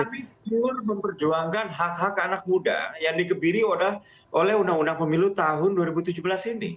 jadi kami turut memperjuangkan hak hak anak muda yang dikebiri oleh undang undang pemilu tahun dua ribu tujuh belas ini